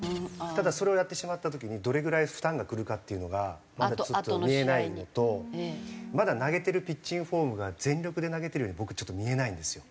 ただそれをやってしまった時にどれぐらい負担がくるかっていうのがまだちょっと見えないのとまだ投げてるピッチングフォームが全力で投げてるように僕ちょっと見えないんですよ。